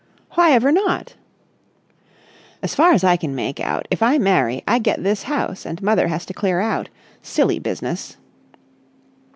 "Why ever not?" "As far as I can make out, if I marry, I get this house and mother has to clear out. Silly business!"